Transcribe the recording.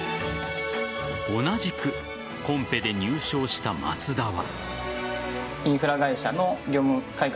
同じくコンペで入賞した松田は。